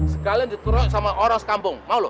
sekalian di troy sama orang sekampung mau lo